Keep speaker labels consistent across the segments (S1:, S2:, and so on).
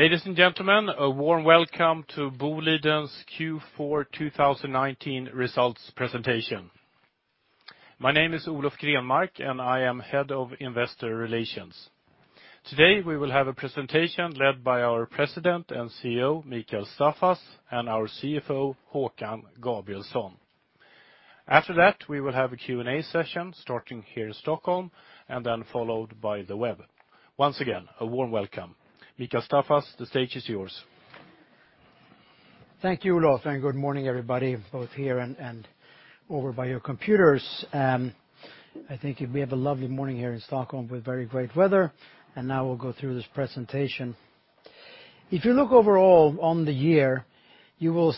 S1: Ladies and gentlemen, a warm welcome to Boliden's Q4 2019 results presentation. My name is Olof Grenmark, and I am head of investor relations. Today, we will have a presentation led by our President and CEO, Mikael Staffas, and our CFO, Håkan Gabrielsson. After that, we will have a Q&A session starting here in Stockholm, and then followed by the web. Once again, a warm welcome. Mikael Staffas, the stage is yours.
S2: Thank you, Olof, and good morning, everybody, both here and over by your computers. I think we have a lovely morning here in Stockholm with very great weather. Now we'll go through this presentation. If you look overall on the year, well,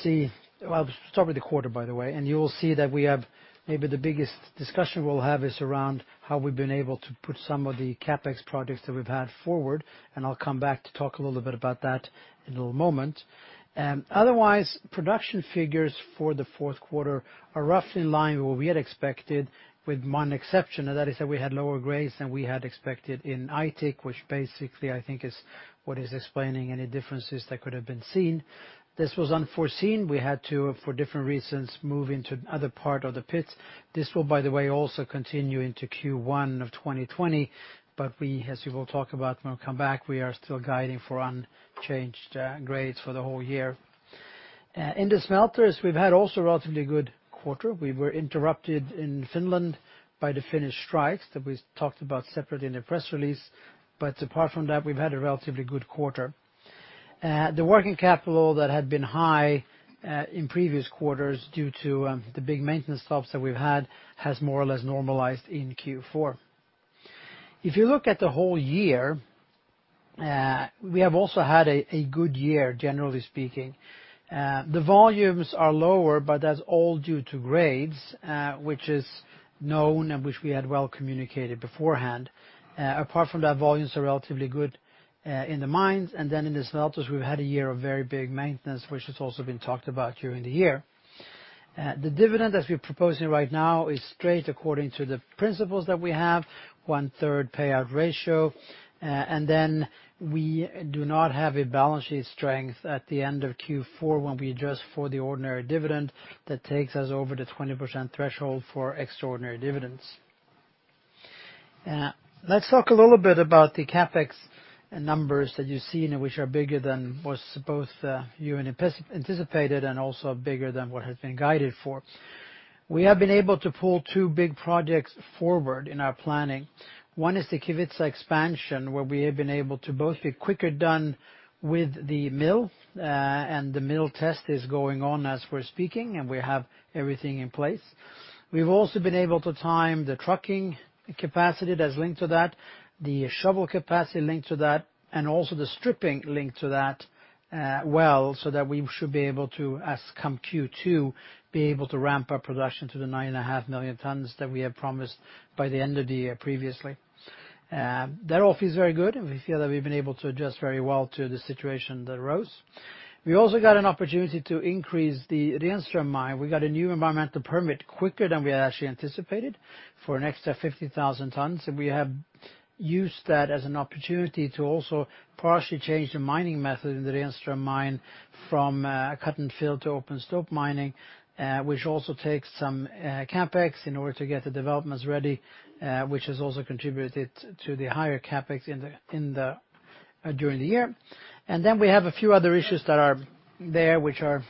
S2: I'll start with the quarter, by the way. You will see that we have maybe the biggest discussion we'll have is around how we've been able to put some of the CapEx projects that we've had forward. I'll come back to talk a little bit about that in a moment. Otherwise, production figures for the Q4 are roughly in line with what we had expected, with one exception. That is that we had lower grades than we had expected in Aitik, which basically, I think, is what is explaining any differences that could have been seen. This was unforeseen. We had to, for different reasons, move into other part of the pit. This will, by the way, also continue into Q1 of 2020, but we, as we will talk about when we come back, we are still guiding for unchanged grades for the whole year. In the smelters, we've had also a relatively good quarter. We were interrupted in Finland by the Finnish strikes that we talked about separately in the press release. Apart from that, we've had a relatively good quarter. The working capital that had been high in previous quarters due to the big maintenance stops that we've had has more or less normalized in Q4. If you look at the whole year, we have also had a good year, generally speaking. The volumes are lower, but that's all due to grades, which is known and which we had well communicated beforehand. Volumes are relatively good in the mines. In the smelters, we've had a year of very big maintenance, which has also been talked about during the year. The dividend as we're proposing right now is straight according to the principles that we have, one-third payout ratio. We do not have a balance sheet strength at the end of Q4 when we adjust for the ordinary dividend that takes us over the 20% threshold for extraordinary dividends. Let's talk a little bit about the CapEx numbers that you've seen, which are bigger than was both you anticipated and also bigger than what has been guided for. We have been able to pull two big projects forward in our planning. One is the Kevitsa expansion, where we have been able to both be quicker done with the mill, the mill test is going on as we're speaking, and we have everything in place. We've also been able to time the trucking capacity that's linked to that, the shovel capacity linked to that, and also the stripping linked to that well so that we should be able to, as come Q2, be able to ramp up production to the 9.5 million tons that we have promised by the end of the year previously. That all feels very good. We feel that we've been able to adjust very well to the situation that arose. We also got an opportunity to increase the Renström mine. We got a new environmental permit quicker than we had actually anticipated for an extra 50,000 tons. We have used that as an opportunity to also partially change the mining method in the Renström mine from cut and fill to open stope mining, which also takes some CapEx in order to get the developments ready, which has also contributed to the higher CapEx during the year. We have a few other issues that are there which are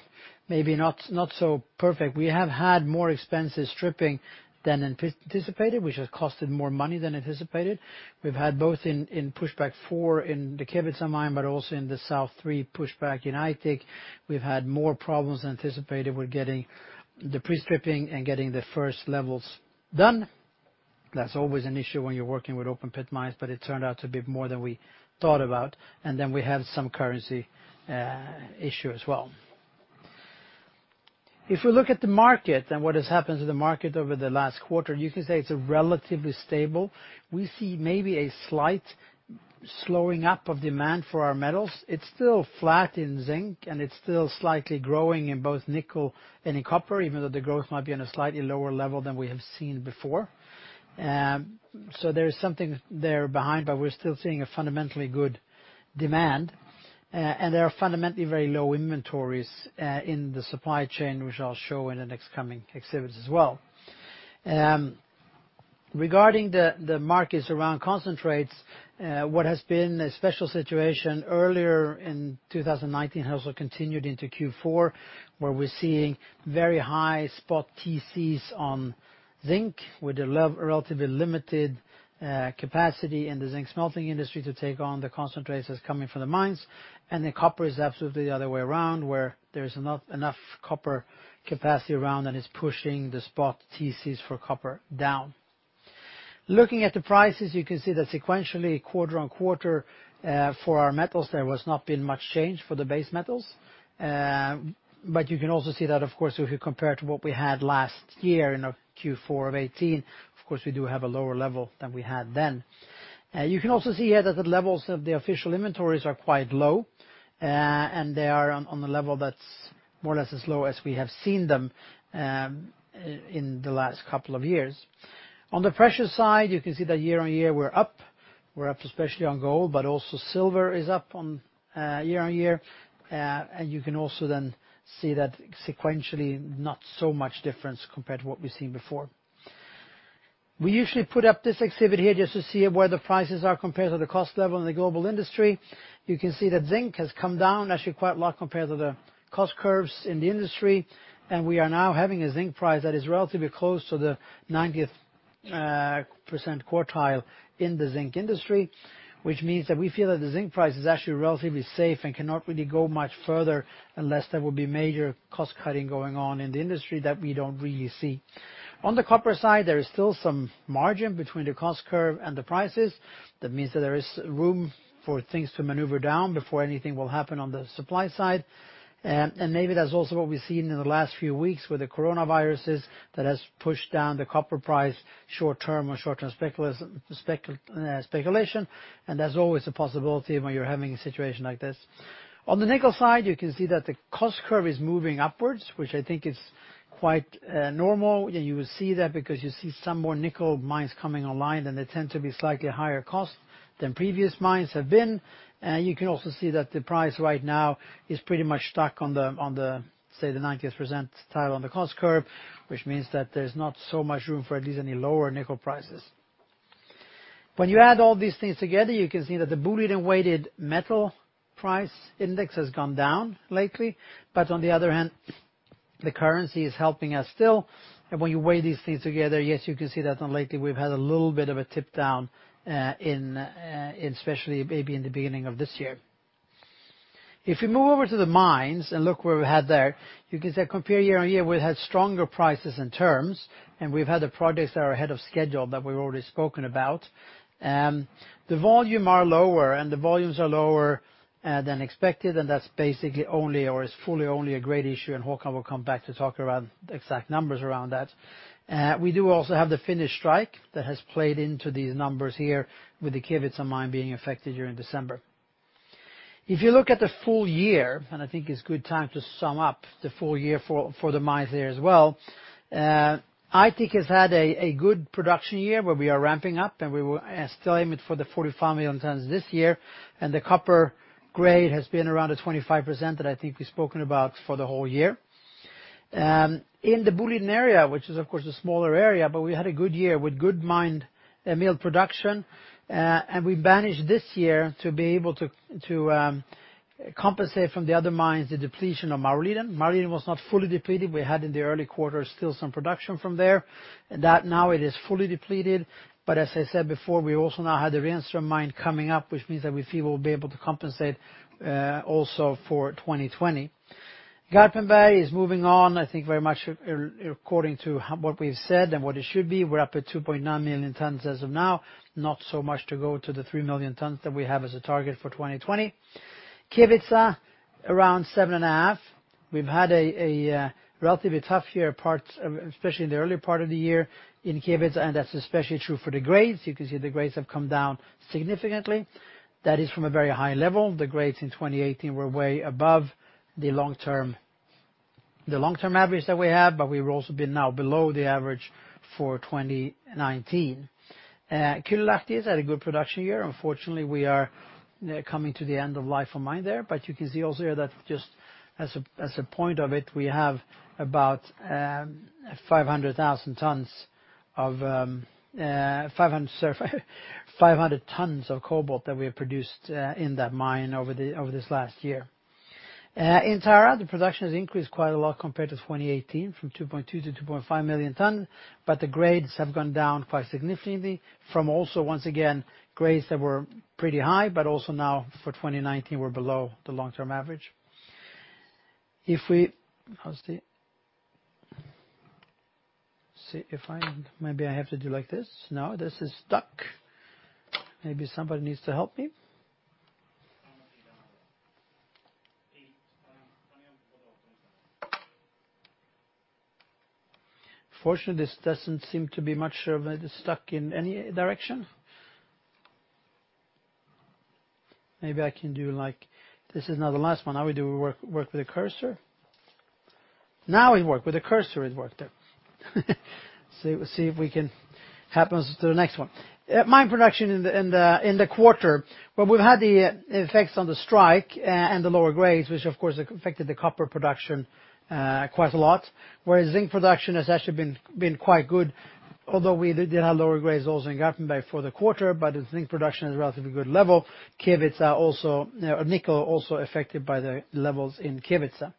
S2: maybe not so perfect. We have had more expensive stripping than anticipated, which has costed more money than anticipated. We've had both in Pushback four in the Kevitsa Mine, but also in the South three Pushback in Aitik. We've had more problems than anticipated with getting the pre-stripping and getting the first levels done. That's always an issue when you're working with open pit mines, but it turned out to be more than we thought about, and then we have some currency issue as well. If we look at the market and what has happened to the market over the last quarter, you can say it's relatively stable. We see maybe a slight slowing up of demand for our metals. It's still flat in zinc, and it's still slightly growing in both nickel and in copper, even though the growth might be on a slightly lower level than we have seen before. There is something there behind, but we're still seeing a fundamentally good demand, and there are fundamentally very low inventories in the supply chain, which I'll show in the next coming exhibits as well. Regarding the markets around concentrates, what has been a special situation earlier in 2019 has also continued into Q4, where we're seeing very high spot TCs on zinc with a relatively limited capacity in the zinc smelting industry to take on the concentrates that's coming from the mines. The copper is absolutely the other way around, where there's not enough copper capacity around that it's pushing the spot TCs for copper down. Looking at the prices, you can see that sequentially quarter-on-quarter for our metals, there has not been much change for the base metals. You can also see that, of course, if you compare to what we had last year in our Q4 of 2018, of course, we do have a lower level than we had then. You can also see here that the levels of the official inventories are quite low, and they are on the level that's more or less as low as we have seen them in the last couple of years. On the pressure side, you can see that year-on-year we're up. We're up especially on gold, but also silver is up on year-on-year. You can also then see that sequentially, not so much difference compared to what we've seen before. We usually put up this exhibit here just to see where the prices are compared to the cost level in the global industry. You can see that zinc has come down actually quite a lot compared to the cost curves in the industry. We are now having a zinc price that is relatively close to the 90th percentile in the zinc industry, which means that we feel that the zinc price is actually relatively safe and cannot really go much further unless there will be major cost cutting going on in the industry that we don't really see. On the copper side, there is still some margin between the cost curve and the prices. That means that there is room for things to maneuver down before anything will happen on the supply side. Maybe that's also what we've seen in the last few weeks with the coronaviruses that has pushed down the copper price short-term on short-term speculation, and there's always a possibility when you're having a situation like this. On the nickel side, you can see that the cost curve is moving upwards, which I think is quite normal. You will see that because you see some more nickel mines coming online, and they tend to be slightly higher cost than previous mines have been. You can also see that the price right now is pretty much stuck on the, say, the 90th percentile on the cost curve, which means that there's not so much room for at least any lower nickel prices. When you add all these things together, you can see that the Boliden weighted metal price index has gone down lately. On the other hand, the currency is helping us still. When you weigh these things together, yes, you can see that lately we've had a little bit of a tip down in especially maybe in the beginning of this year. If we move over to the mines and look what we have there, you can see that compared year-on-year, we've had stronger prices and terms, and we've had the projects that are ahead of schedule that we've already spoken about. The volume are lower, and the volumes are lower than expected, and that's basically only or is fully only a grade issue, and Håkan will come back to talk around exact numbers around that. We do also have the Finnish strike that has played into these numbers here with the Kevitsa mine being affected during December. If you look at the full year, and I think it's good time to sum up the full year for the mines there as well. Aitik has had a good production year where we are ramping up, and we will still aim it for the 45 million tonnes this year, and the copper grade has been around the 25% that I think we've spoken about for the whole year. In the Boliden area, which is, of course, a smaller area, but we had a good year with good mine mill production. We managed this year to be able to compensate from the other mines the depletion of Maurliden. Maurliden was not fully depleted. We had in the early quarter still some production from there. Now it is fully depleted. As I said before, we also now have the Renström mine coming up, which means that we feel we'll be able to compensate also for 2020. Garpenberg is moving on, I think very much according to what we've said and what it should be. We're up at 2.9 million tonnes as of now, not so much to go to the 3 million tonnes that we have as a target for 2020. Kevitsa, around seven and a half. We've had a relatively tough year, especially in the earlier part of the year in Kevitsa, and that's especially true for the grades. You can see the grades have come down significantly. That is from a very high level. The grades in 2018 were way above the long-term average that we have, we've also been now below the average for 2019. Kylylahti has had a good production year. Unfortunately, you can see also there that just as a point of it, we have about 500 tonnes of cobalt that we have produced in that mine over this last year. In Tara, the production has increased quite a lot compared to 2018, from 2.2 million to 2.5 million tonnes. The grades have gone down quite significantly from also, once again, grades that were pretty high, but also now for 2019, we are below the long-term average. Maybe I have to do like this. No, this is stuck. Maybe somebody needs to help me. Unfortunately, this doesn't seem to be much of it is stuck in any direction. This is now the last one. Now we do work with the cursor. Now it work. With the cursor, it worked there. Mine production in the quarter, where we've had the effects on the strike and the lower grades, which, of course, affected the copper production quite a lot, whereas zinc production has actually been quite good, although we did have lower grades also in Garpenberg for the quarter, but the zinc production is a relatively good level. Nickel also affected by the levels in Kevitsa.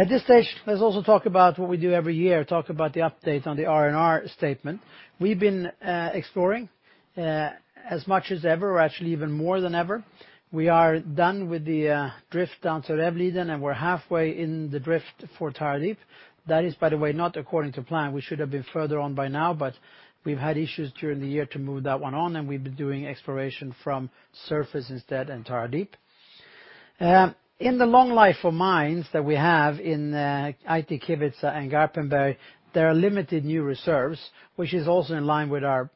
S2: At this stage, let's also talk about what we do every year, talk about the update on the R&R statement. We've been exploring as much as ever, or actually even more than ever. We are done with the drift down to Rävliden, and we're halfway in the drift for Tara Deep. That is, by the way, not according to plan. We should have been further on by now, but we've had issues during the year to move that one on, and we've been doing exploration from surface instead and Tara Deep. In the long life of mines that we have in Aitik, Kevitsa, and Garpenberg, there are limited new reserves, which is also in line with our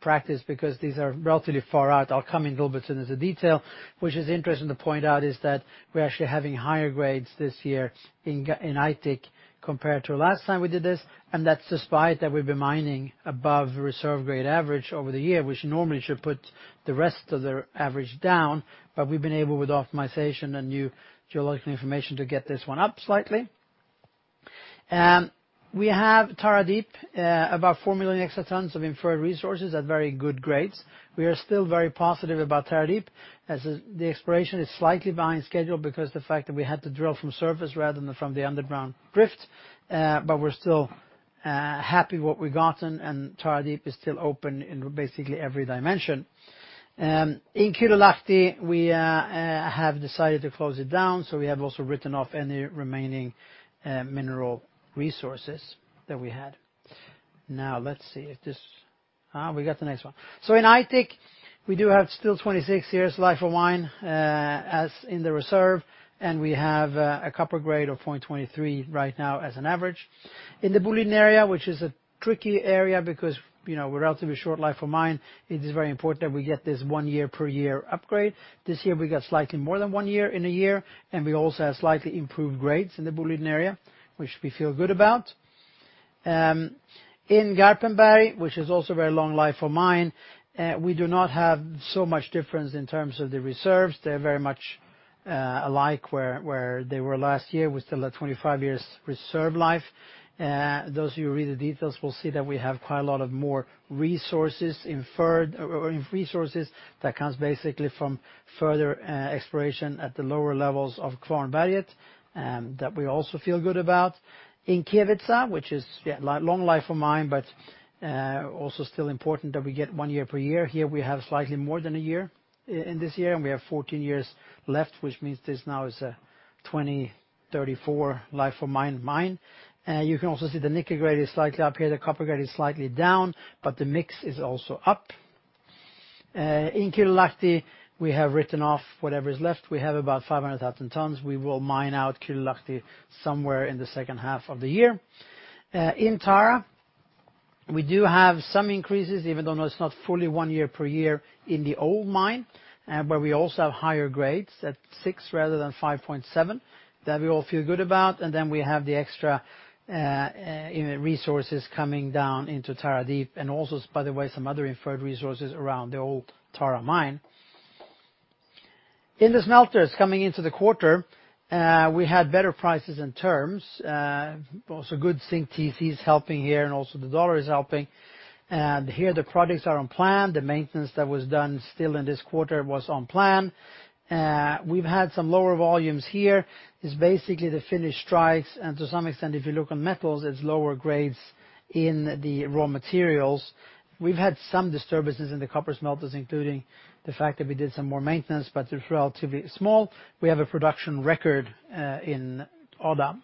S2: practice because these are relatively far out. I'll come in a little bit into the detail, which is interesting to point out, is that we're actually having higher grades this year in Aitik compared to last time we did this, and that's despite that we've been mining above reserve grade average over the year, which normally should put the rest of the average down, but we've been able, with optimization and new geological information, to get this one up slightly. We have Tara Deep, about 4 million extra tonnes of inferred resources at very good grades. We are still very positive about Tara Deep, as the exploration is slightly behind schedule because the fact that we had to drill from surface rather than from the underground drift, but we're still happy what we've gotten, and Tara Deep is still open in basically every dimension. In Kylylahti, we have decided to close it down. We have also written off any remaining mineral resources that we had. Now let's see if this, we got the next one. In Aitik, we do have still 26 years life of mine as in the reserve, and we have a copper grade of zero point two three right now as an average. In the Boliden Area, which is a tricky area because we're relatively short life of mine, it is very important that we get this one year per year upgrade. This year, we got slightly more than one year in a year, and we also have slightly improved grades in the Boliden Area, which we feel good about. In Garpenberg, which is also very long life of mine, we do not have so much difference in terms of the reserves. They're very much alike where they were last year. We still have 25 years reserve life. Those of you who read the details will see that we have quite a lot of more resources inferred, or resources that comes basically from further exploration at the lower levels of Kvarnberget, that we also feel good about. In Kevitsa, which is long life of mine, but also still important that we get one year per year. Here we have slightly more than a year in this year, and we have 14 years left, which means this now is a 2034 life of mine mine. You can also see the nickel grade is slightly up here. The copper grade is slightly down. The mix is also up. In Kylylahti, we have written off whatever is left. We have about 500,000 tonnes. We will mine out Kylylahti somewhere in the H2 of the year. In Tara, we do have some increases, even though I know it's not fully one year per year in the old mine, but we also have higher grades at six rather than five point seven that we all feel good about, and then we have the extra resources coming down into Tara Deep and also, by the way, some other inferred resources around the old Tara Mine. In the smelters coming into the quarter, we had better prices and terms. Good zinc TC is helping here, and the U.S. dollar is helping. The projects are on plan. The maintenance that was done still in this quarter was on plan. We've had some lower volumes here. It's basically the Finnish strikes, and to some extent, if you look on metals, it's lower grades in the raw materials. We've had some disturbances in the copper smelters, including the fact that we did some more maintenance, but it's relatively small. We have a production record in Odda.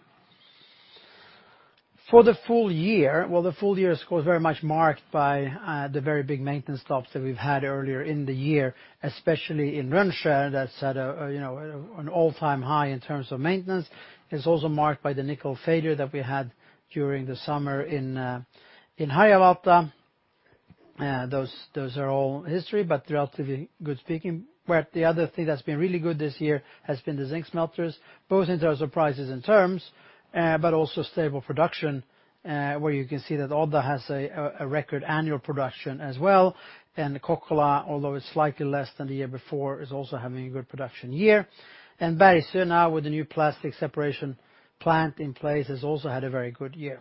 S2: For the full year, of course, very much marked by the very big maintenance stops that we've had earlier in the year, especially in Rönnskär, that's had an all-time high in terms of maintenance. It's also marked by the nickel failure that we had during the summer in Harjavalta. Those are all history, but they're relatively good speaking. The other thing that's been really good this year has been the zinc smelters, both in terms of prices and terms, but also stable production, where you can see that Odda has a record annual production as well, and Kokkola, although it's slightly less than the year before, is also having a good production year. Bergsöe now with the new plastic separation plant in place, has also had a very good year.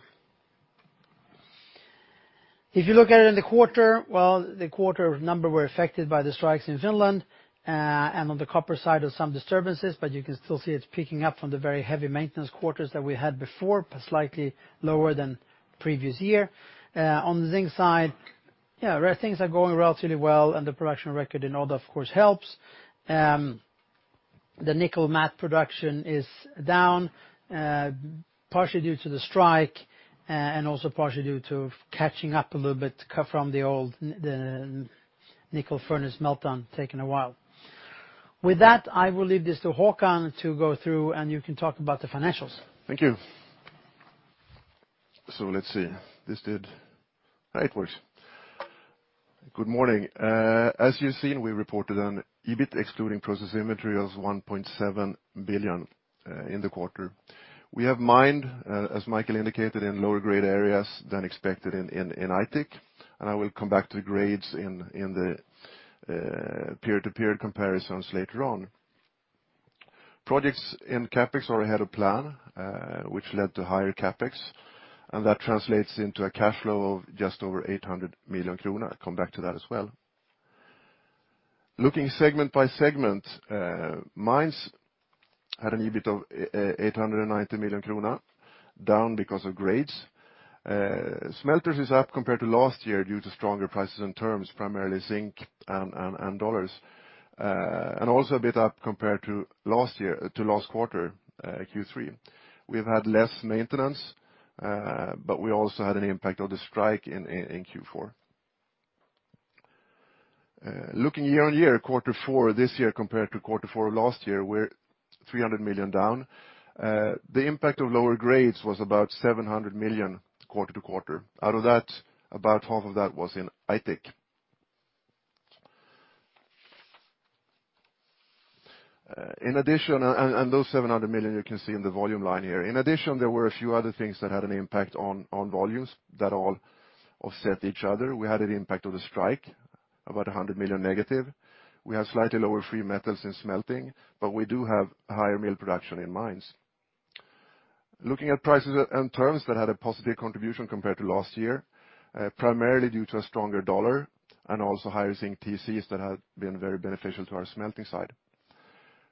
S2: If you look at it in the quarter, well, the quarter numbers were affected by the strikes in Finland, and on the copper side of some disturbances, but you can still see it's picking up from the very heavy maintenance quarters that we had before, but slightly lower than previous year. On the zinc side, things are going relatively well, and the production record in Odda, of course, helps. The nickel matte production is down, partially due to the strike, and also partially due to catching up a little bit from the old nickel furnace meltdown, taking a while. With that, I will leave this to Håkan to go through, and you can talk about the financials.
S3: Thank you. Lets take a look. It works. Good morning. As you've seen, we reported an EBIT excluding process inventory of 1.7 billion in the quarter. We have mined, as Mikael indicated, in lower grade areas than expected in Aitik. I will come back to the grades in the period-to-period comparisons later on. Projects in CapEx are ahead of plan, which led to higher CapEx, and that translates into a cash flow of just over 800 million kronor. I'll come back to that as well. Looking segment by segment, mines had an EBIT of 890 million kronor, down because of grades. Smelters is up compared to last year due to stronger prices and terms, primarily zinc and USD, and also a bit up compared to last quarter, Q3. We've had less maintenance. We also had an impact of the strike in Q4. Looking year-over-year, quarter four this year compared to quarter four last year, we're 300 million down. The impact of lower grades was about 700 million quarter-over-quarter. Out of that, about half of that was in Aitik. In addition those 700 million you can see in the volume line here. In addition, there were a few other things that had an impact on volumes that all offset each other. We had an impact of the strike, about 100 million negative. We have slightly lower free metals in smelting. We do have higher mill production in mines. Looking at prices and terms that had a positive contribution compared to last year, primarily due to a stronger U.S. dollar and also higher zinc TCs that have been very beneficial to our smelting side.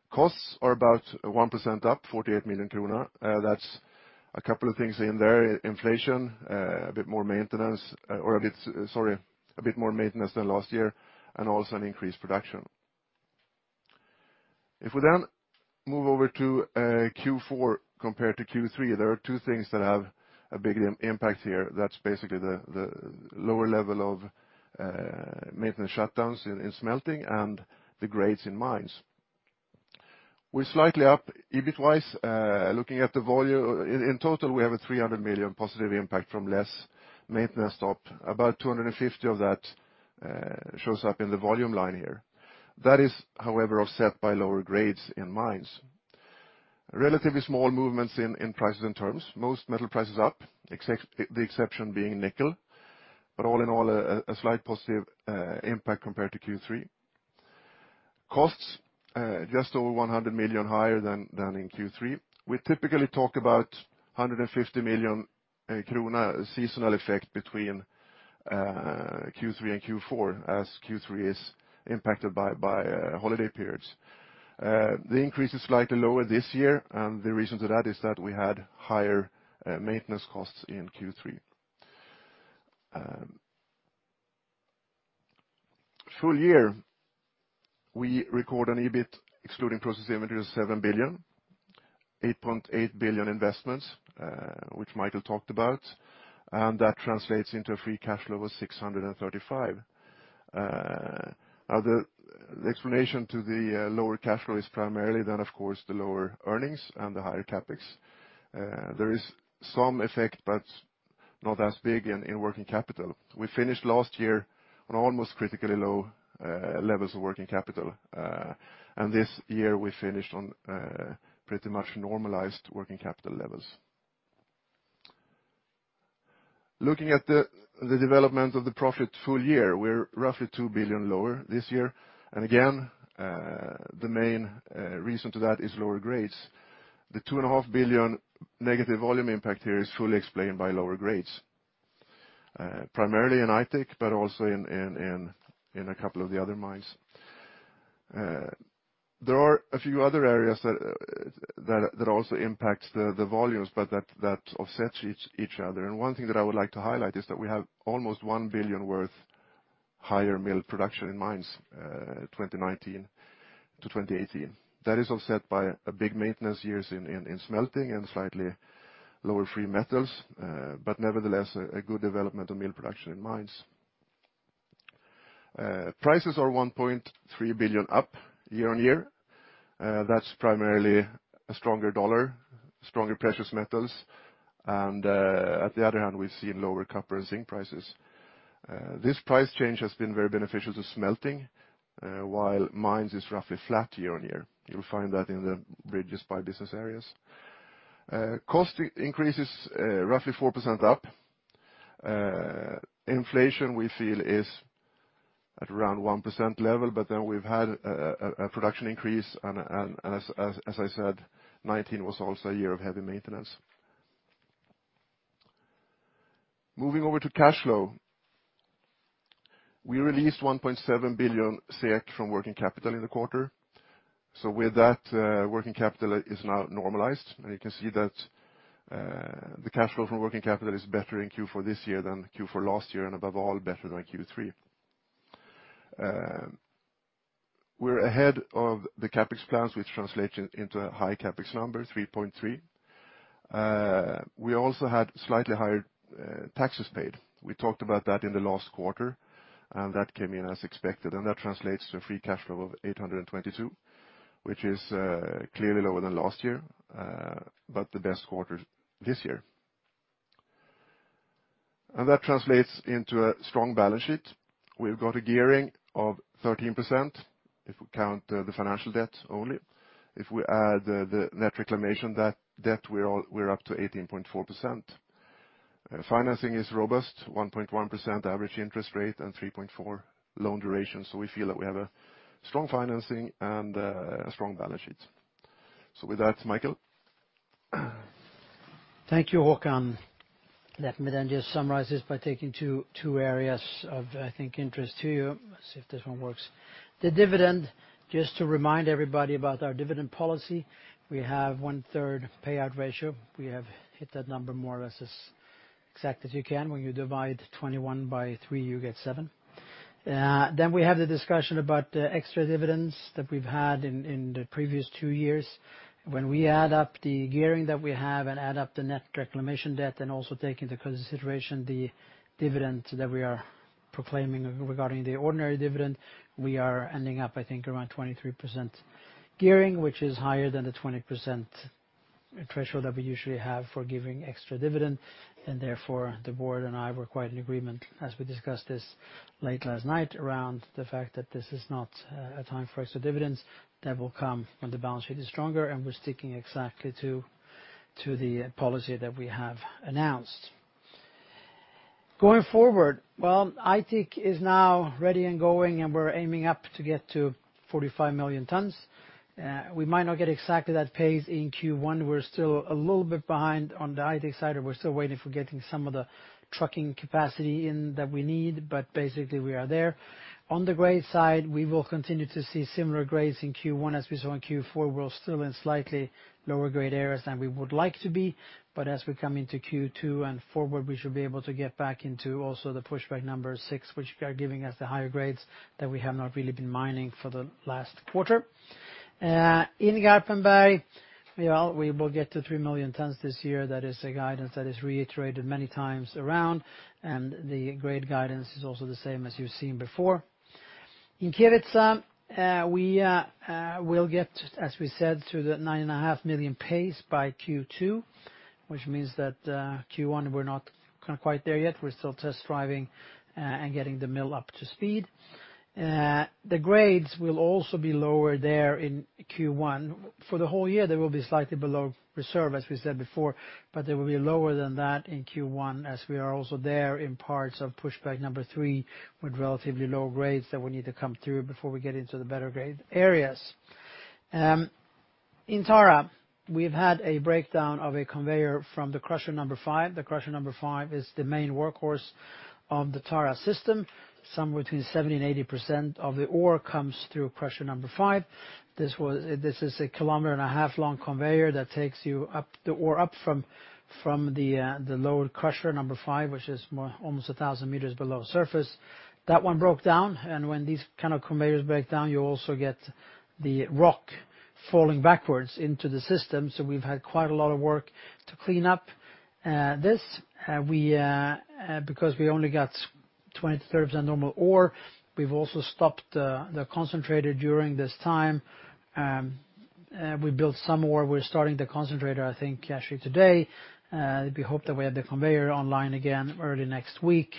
S3: Costs are about 1% up, 48 million krona. That's a couple of things in there, inflation, a bit more maintenance than last year, and also an increased production. If we move over to Q4 compared to Q3, there are two things that have a big impact here. That's basically the lower level of maintenance shutdowns in smelting and the grades in mines. We're slightly up EBIT-wise. In total, we have a 300 million positive impact from less maintenance stop. About 250 of that shows up in the volume line here. That is, however, offset by lower grades in mines. Relatively small movements in prices and terms. Most metal prices up, the exception being nickel, all in all, a slight positive impact compared to Q3. Costs just over 100 million higher than in Q3. We typically talk about 150 million krona seasonal effect between Q3 and Q4, as Q3 is impacted by holiday periods. The increase is slightly lower this year. The reason to that is that we had higher maintenance costs in Q3. Full year, we record an EBIT excluding process inventory of 7 billion, 8.8 billion investments, which Mikael talked about. That translates into a free cash flow of 635. The explanation to the lower cash flow is primarily then, of course, the lower earnings and the higher CapEx. There is some effect, but not as big in working capital. We finished last year on almost critically low levels of working capital. This year we finished on pretty much normalized working capital levels. Looking at the development of the profit full year, we're roughly 2 billion lower this year. Again, the main reason to that is lower grades. The two and a half billion negative volume impact here is fully explained by lower grades, primarily in Aitik, but also in a couple of the other mines. That offsets each other. One thing that I would like to highlight is that we have almost 1 billion worth higher mill production in mines 2019 to 2018. That is offset by big maintenance years in smelting and slightly lower free metals. Nevertheless, a good development of mill production in mines. Prices are 1.3 billion up year-on-year. That's primarily a stronger U.S. dollar, stronger precious metals. At the other hand, we've seen lower copper and zinc prices. This price change has been very beneficial to smelting, while mines is roughly flat year-on-year. You'll find that in the bridges by business areas. Cost increases, roughly 4% up. Inflation we feel is at around 1% level, we've had a production increase, and as I said, 2019 was also a year of heavy maintenance. Moving over to cash flow. We released 1.7 billion SEK from working capital in the quarter. So with that, working capital is now normalized, and you can see that the cash flow from working capital is better in Q4 this year than Q4 last year, and above all, better than Q3. We're ahead of the CapEx plans, which translate into a high CapEx number, 3.3. We also had slightly higher taxes paid. We talked about that in the last quarter, that came in as expected, that translates to a free cash flow of 822, which is clearly lower than last year, the best quarter this year. That translates into a strong balance sheet. We've got a gearing of 13% if we count the financial debt only. If we add the net reclamation debt, we're up to 18.4%. Financing is robust, 1.1% average interest rate and three point four loan duration. We feel that we have a strong financing and a strong balance sheet. So with that, Mikael.
S2: Thank you, Håkan. Let me just summarize this by taking two areas of, I think, interest to you. Let's see if this one works. The dividend, just to remind everybody about our dividend policy, we have one third payout ratio. We have hit that number more or less exact as you can, when you divide 21 by three you get seven. We have the discussion about the extra dividends that we've had in the previous two years. When we add up the gearing that we have and add up the net reclamation debt, and also take into consideration the dividend that we are proclaiming regarding the ordinary dividend, we are ending up, I think, around 23% gearing, which is higher than the 20% threshold that we usually have for giving extra dividend. Therefore, the board and I were quite in agreement as we discussed this late last night, around the fact that this is not a time for extra dividends. That will come when the balance sheet is stronger, and we're sticking exactly to the policy that we have announced. Going forward, well, Aitik is now ready and going, and we're aiming up to get to 45 million tonnes. We might not get exactly that pace in Q1. We're still a little bit behind on the Aitik side, and we're still waiting for getting some of the trucking capacity in that we need. Basically we are there. On the grade side, we will continue to see similar grades in Q1 as we saw in Q4. We're still in slightly lower grade areas than we would like to be, as we come into Q2 and forward, we should be able to get back into also the pushback number six, which are giving us the higher grades that we have not really been mining for the last quarter. In Garpenberg, we will get to 3 million tonnes this year. That is a guidance that is reiterated many times around, the grade guidance is also the same as you've seen before. In Kevitsa, we will get, as we said, to the 9.5 million pace by Q2, which means that Q1, we're not quite there yet. We're still test driving and getting the mill up to speed. The grades will also be lower there in Q1. For the whole year, they will be slightly below reserve, as we said before, but they will be lower than that in Q1, as we are also there in parts of pushback number three with relatively low grades that we need to come through before we get into the better grade areas. In Tara, we've had a breakdown of a conveyor from the crusher number five. The crusher number five is the main workhorse of the Tara system. Somewhere between 70% and 80% of the ore comes through crusher number five. This is a kilometer-and-a-half long conveyor that takes the ore up from the lower crusher number five, which is almost 1,000 meters below surface. That one broke down, and when these kind of conveyors break down, you also get the rock falling backwards into the system. So we've had quite a lot of work to clean up this. We only got 23% normal ore, we've also stopped the concentrator during this time. We built some ore. We're starting the concentrator I think, actually today. We hope that we have the conveyor online again early next week.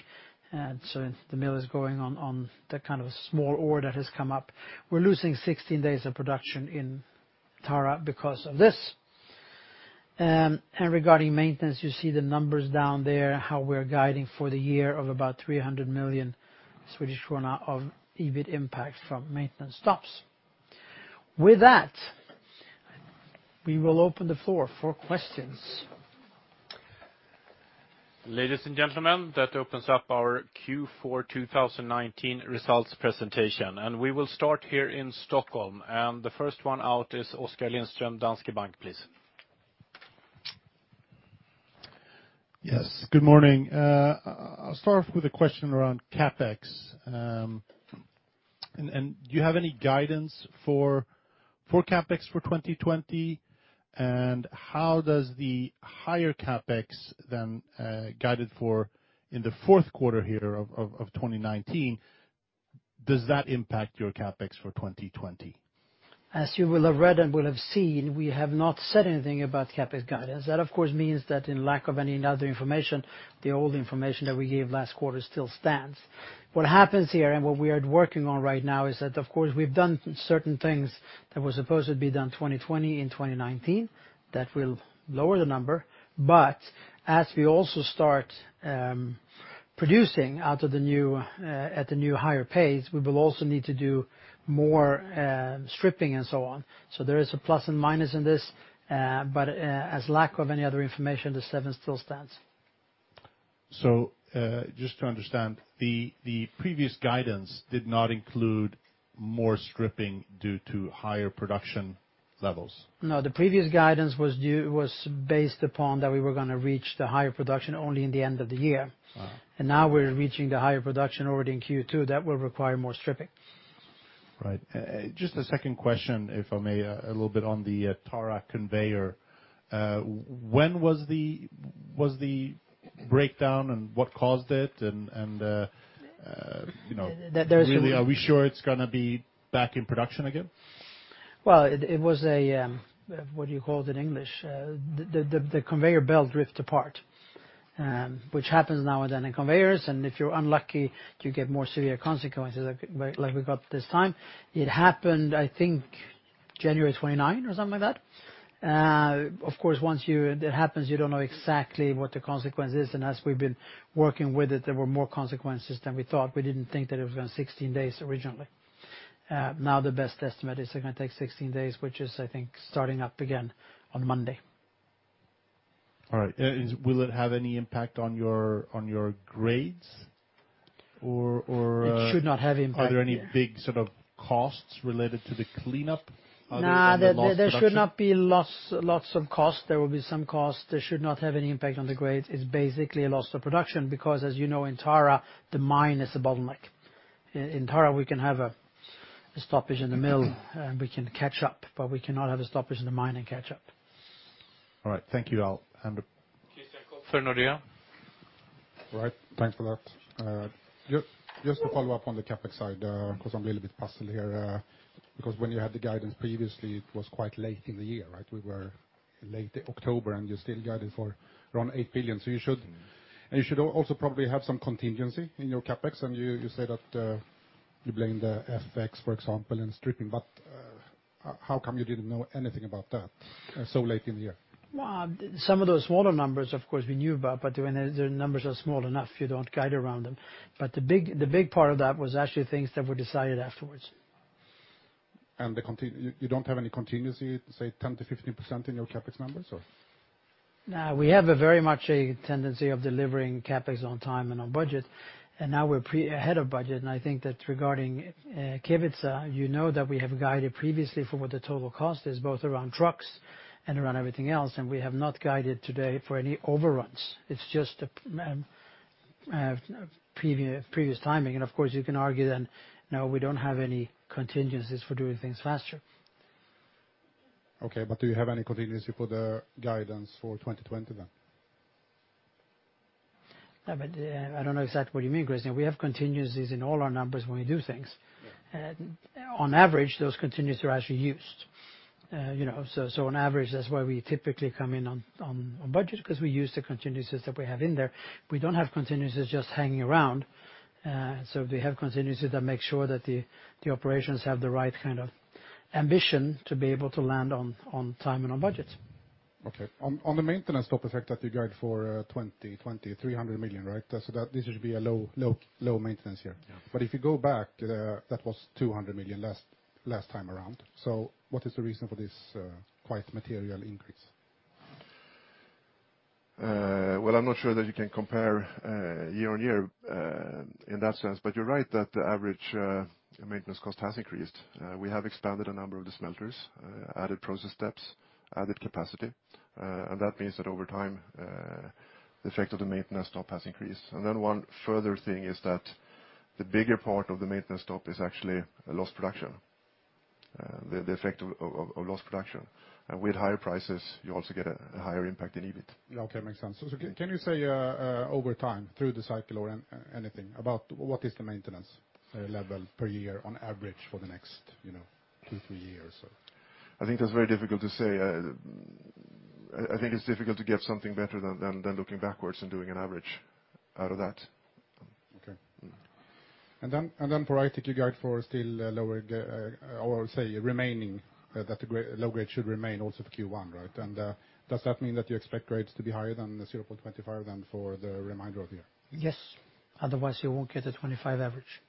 S2: The mill is going on the small ore that has come up. We're losing 16 days of production in Tara because of this. Regarding maintenance, you see the numbers down there, how we're guiding for the year of about 300 million Swedish krona of EBIT impact from maintenance stops. With that, we will open the floor for questions.
S1: Ladies and gentlemen, that opens up our Q4 2019 results presentation, and we will start here in Stockholm. The first one out is Oskar Lindström, Danske Bank, please.
S4: Yes, good morning. I'll start off with a question around CapEx. Do you have any guidance for CapEx for 2020? How does the higher CapEx than guided for in the Q4 here of 2019, does that impact your CapEx for 2020?
S2: As you will have read and will have seen, we have not said anything about CapEx guidance. That of course means that in lack of any other information, the old information that we gave last quarter still stands. What happens here and what we are working on right now is that, of course, we've done certain things that were supposed to be done in 2020, in 2019. That will lower the number. But as we also start producing at the new higher pace, we will also need to do more stripping and so on. There is a plus and minus in this, but as lack of any other information, the 7 still stands.
S4: Just to understand, the previous guidance did not include more stripping due to higher production levels?
S2: No, the previous guidance was based upon that we were going to reach the higher production only in the end of the year. Now we're reaching the higher production already in Q2. That will require more stripping.
S4: Right. Just a second question, if I may, a little bit on the Tara conveyor. When was the breakdown and what caused it?
S2: There was really-
S4: Are we sure it's going to be back in production again?
S2: Well, what do you call it in English? The conveyor belt ripped apart, which happens now and then in conveyors, and if you're unlucky, you get more severe consequences like we got this time. It happened, I think, January 29 or something like that. Of course, once it happens, you don't know exactly what the consequence is. As we've been working with it, there were more consequences than we thought. We didn't think that it was going to be 16 days originally. Now the best estimate is it's going to take 16 days, which is, I think, starting up again on Monday.
S4: All right. Will it have any impact on your grades?
S2: It should not have impact.
S4: Are there any big costs related to the cleanup other than the lost production?
S2: No, there should not be lots of costs. There will be some costs. There should not have any impact on the grades. It's basically a loss of production, because, as you know, in Tara, the mine is a bottleneck. In Tara, we can have a stoppage in the mill, and we can catch up, but we cannot have a stoppage in the mine and catch up.
S4: All right. Thank you, Al. All right, thanks for that. Just to follow up on the CapEx side, I'm a little bit puzzled here. When you had the guidance previously, it was quite late in the year, right? We were in late October, you still guided for around 8 billion. You should also probably have some contingency in your CapEx, you say that you blame the FX, for example, in stripping, how come you didn't know anything about that so late in the year?
S2: Well, some of those smaller numbers, of course, we knew about, but when the numbers are small enough, you don't guide around them. The big part of that was actually things that were decided afterwards.
S4: You don't have any contingency, say, 10% to 15% in your CapEx numbers?
S2: No, we have very much a tendency of delivering CapEx on time and on budget. Now we're ahead of budget, and I think that regarding Kevitsa, you know that we have guided previously for what the total cost is, both around trucks and around everything else, and we have not guided today for any overruns. It's just previous timing. Of course, you can argue then, no, we don't have any contingencies for doing things faster.
S4: Okay, do you have any contingency for the guidance for 2020, then?
S2: I don't know exactly what you mean, Christian. We have contingencies in all our numbers when we do things.
S4: Yeah.
S2: On average, those contingencies are actually used. On average, that's why we typically come in on budget, because we use the contingencies that we have in there. We don't have contingencies just hanging around. We have contingencies that make sure that the operations have the right kind of ambition to be able to land on time and on budget.
S4: Okay. On the maintenance CapEx that you guide for 2020, 300 million, right? This should be a low maintenance year. Yeah.
S2: If you go back, that was 200 million last time around. What is the reason for this quite material increase? Well, I'm not sure that you can compare year on year in that sense, but you're right that the average maintenance cost has increased. We have expanded a number of the smelters, added process steps, added capacity. That means that over time, the effect of the maintenance top has increased. One further thing is that the bigger part of the maintenance top is actually a lost production, the effect of lost production. With higher prices, you also get a higher impact in EBIT. Yeah, okay, makes sense. Can you say over time, through the cycle or anything, about what is the maintenance level per year on average for the next two, three years? I think that's very difficult to say. I think it's difficult to give something better than looking backwards and doing an average out of that.
S4: Okay. Then for Aitik, you guide for still lower, or I will say remaining, that the low grade should remain also for Q1, right? Does that mean that you expect grades to be higher than the zero point two five then for the remainder of the year?
S2: Yes. Otherwise, you won't get a 25 average.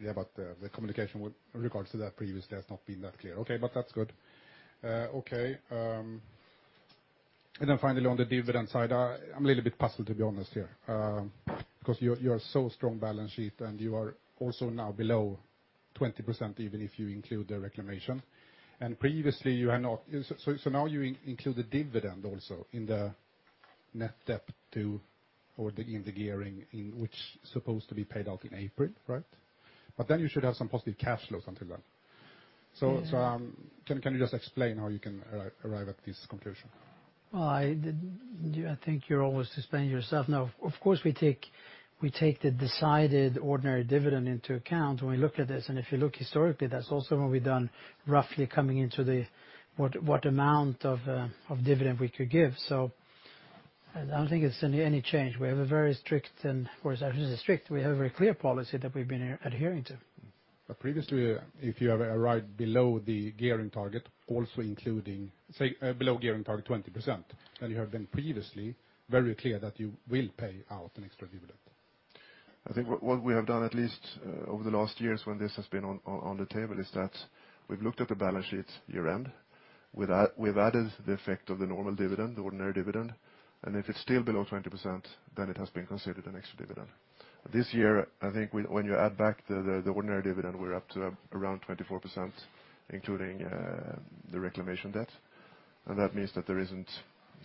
S4: The communication with regards to that previously has not been that clear. That's good. Finally, on the dividend side, I'm a little bit puzzled to be honest here. You are so strong balance sheet, and you are also now below 20%, even if you include the reclamation. So now you include the dividend also in the net debt to, or in the gearing, which supposed to be paid out in April, right? You should have some positive cash flows until then.
S2: Yeah. Can you just explain how you can arrive at this conclusion? Well, I think you're always explaining yourself. Of course, we take the decided ordinary dividend into account when we look at this. If you look historically, that's also what we've done roughly coming into what amount of dividend we could give. I don't think it's any change. We have a very strict, and of course, not just strict, we have a very clear policy that we've been adhering to.
S4: Previously, if you have arrived below the gearing target, also including below gearing target 20%, then you have been previously very clear that you will pay out an extra dividend.
S2: I think what we have done, at least over the last years when this has been on the table, is that we've looked at the balance sheet year-end. We've added the effect of the normal dividend, the ordinary dividend. If it's still below 20%, then it has been considered an extra dividend. This year, I think when you add back the ordinary dividend, we're up to around 24%, including the reclamation debt. That means that there isn't,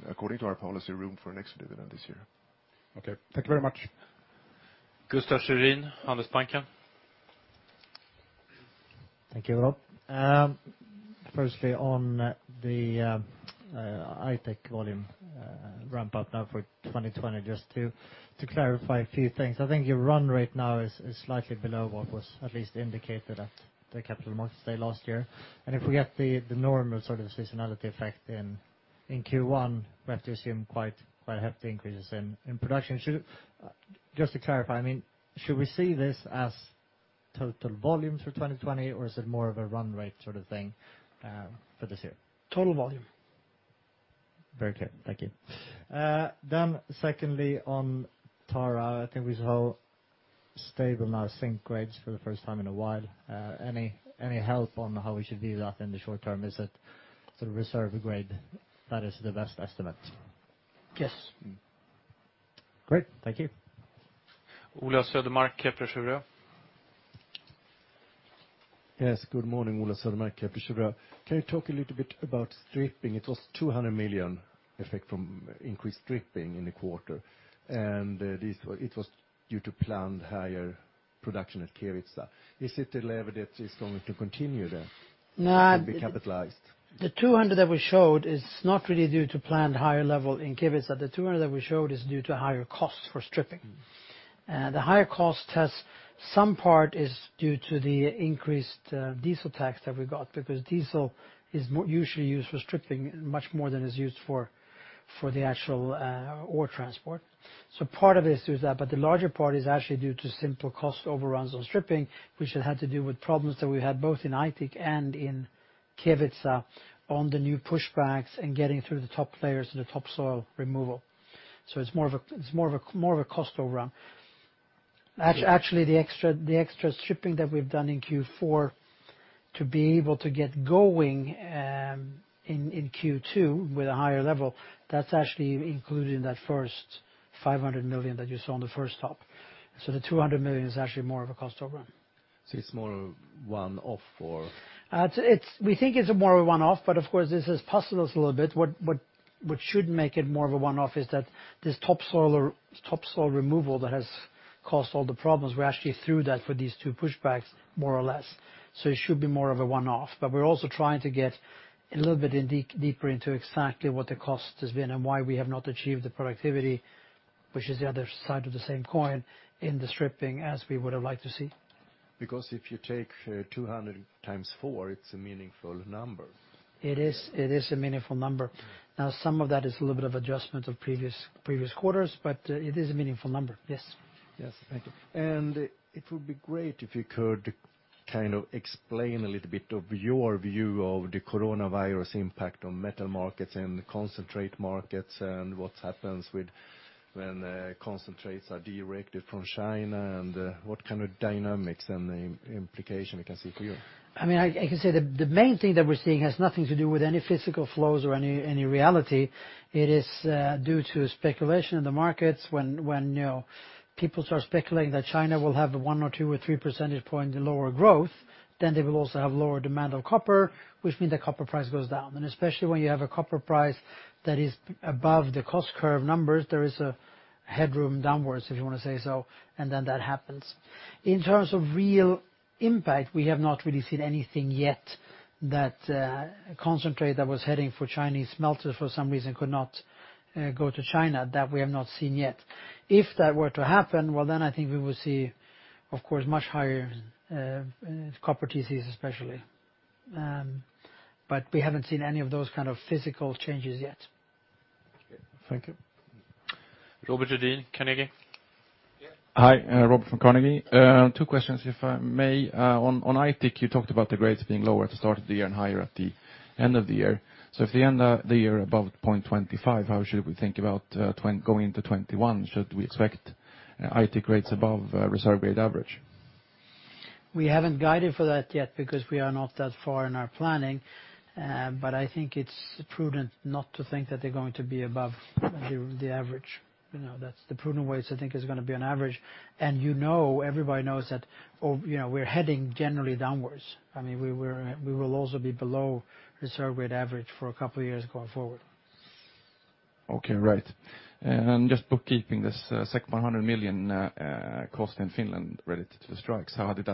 S2: according to our policy, room for an extra dividend this year.
S4: Okay. Thank you very much.
S1: Gustav Sjödin, Handelsbanken.
S5: Thank you, Olof. On the Aitik volume ramp up now for 2020, just to clarify a few things. I think your run rate now is slightly below what was at least indicated at the Capital Markets Day last year. If we get the normal seasonality effect in Q1, we have to assume quite hefty increases in production. Just to clarify, should we see this as total volume for 2020, or is it more of a run rate sort of thing for this year?
S3: Total volume.
S5: Very clear. Thank you. Secondly, on Tara, I think we saw stable now zinc grades for the first time in a while. Any help on how we should view that in the short term? Is it the reserve grade that is the best estimate?
S2: Yes. Great. Thank you.
S1: Ola Södermark, Kepler Cheuvreux.
S6: Yes. Good morning, Ola Södermark, Kepler Cheuvreux. Can you talk a little bit about stripping? It was 200 million effect from increased stripping in the quarter, and it was due to planned higher production at Kevitsa. Is it level that is going to continue?
S2: No
S6: be capitalized?
S2: The 200 that we showed is not really due to planned higher level in Kevitsa. The 200 that we showed is due to higher costs for stripping. The higher cost, some part is due to the increased diesel tax that we got because diesel is usually used for stripping much more than is used for the actual ore transport. Part of it is due to that, but the larger part is actually due to simple cost overruns on stripping, which had to do with problems that we had both in Aitik and in Kevitsa on the new pushbacks and getting through the top layers of the topsoil removal. It's more of a cost overrun. Actually, the extra stripping that we've done in Q4 to be able to get going in Q2 with a higher level, that's actually included in that first 500 million that you saw on the first top. The 200 million is actually more of a cost overrun.
S6: It's more one-off or.
S2: We think it's more of a one-off. Of course, this has puzzled us a little bit. What should make it more of a one-off is that this topsoil removal that has caused all the problems, we're actually through that for these two pushbacks, more or less. It should be more of a one-off. We're also trying to get a little bit deeper into exactly what the cost has been and why we have not achieved the productivity, which is the other side of the same coin in the stripping as we would have liked to see.
S6: If you take 200 times four, it's a meaningful number.
S2: It is a meaningful number. Some of that is a little bit of adjustment of previous quarters, but it is a meaningful number. Yes.
S6: Yes. Thank you. It would be great if you could explain a little bit of your view of the coronavirus impact on metal markets and concentrate markets and what happens when concentrates are directed from China, and what kind of dynamics and implication we can see for you.
S2: I can say the main thing that we're seeing has nothing to do with any physical flows or any reality. It is due to speculation in the markets when people start speculating that China will have a one or two or three percentage point lower growth, they will also have lower demand on copper, which means the copper price goes down. Especially when you have a copper price that is above the cost curve numbers, there is a headroom downwards, if you want to say so, that happens. In terms of real impact, we have not really seen anything yet that concentrate that was heading for Chinese smelters for some reason could not go to China. That we have not seen yet. If that were to happen, well, I think we will see, of course, much higher copper TC, especially. But we haven't seen any of those kind of physical changes yet.
S6: Thank you.
S1: Robert Hedin, Carnegie.
S7: Yeah. Hi, Robert from Carnegie. Two questions, if I may. On Aitik, you talked about the grades being lower at the start of the year and higher at the end of the year. If they end the year above zero point two five, how should we think about going into 2021? Should we expect Aitik grades above reserve grade average?
S2: We haven't guided for that yet because we are not that far in our planning, but I think it's prudent not to think that they're going to be above the average. The prudent way is to think it's going to be on average, and everybody knows that we're heading generally downwards. We will also be below reserve grade average for a couple of years going forward.
S1: Okay. Right. Just bookkeeping this 100 million cost in Finland related to the strikes. How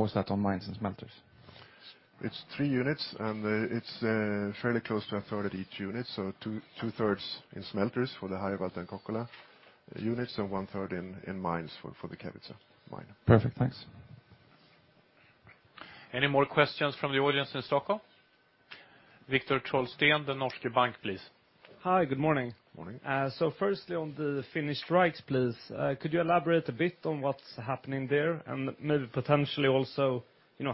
S1: was that on mines and smelters?
S3: It's three units, and it's fairly close to a third at each unit, so two-thirds in smelters for the Harjavalta and Kokkola units, and one-third in mines for the Kevitsa mine.
S1: Perfect. Thanks. Any more questions from the audience in Stockholm? Viktor Trolstén, Danske Bank, please.
S8: Hi, good morning.
S2: Morning.
S8: Firstly on the Finnish strikes, please. Could you elaborate a bit on what's happening there and maybe potentially also